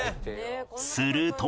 すると